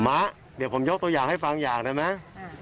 ้าเดี๋ยวผมยกตัวอย่างให้ฟังอย่างได้ไหม